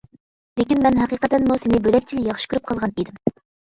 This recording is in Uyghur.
لېكىن مەن ھەقىقەتەنمۇ سېنى بۆلەكچىلا ياخشى كۆرۈپ قالغان ئىدىم.